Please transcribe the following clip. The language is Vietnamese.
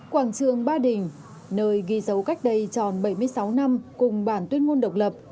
quảng trường ba đình nơi ghi dấu cách đây tròn bảy mươi sáu năm cùng bản tuyên ngôn độc lập